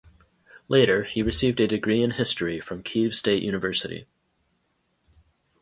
Later, he received a degree in History from Kiev State University.